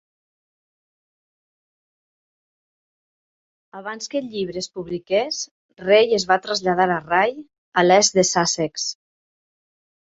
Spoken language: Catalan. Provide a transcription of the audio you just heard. Abans que el llibre es publiqués, Ray es va traslladar a Rye, a l'est de Sussex.